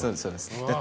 だって。